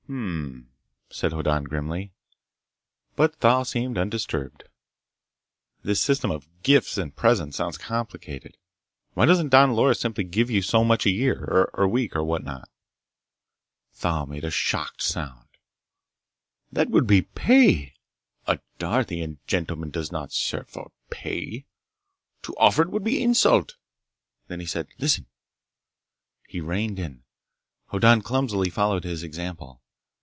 "Hm m m," said Hoddan grimly. But Thal seemed undisturbed. "This system of gifts and presents sounds complicated. Why doesn't Don Loris simply give you so much a year, or week, or whatnot?" Thal made a shocked sound. "That would be pay! A Darthian gentleman does not serve for pay! To offer it would be insult!" Then he said, "Listen!" He reined in. Hoddan clumsily followed his example.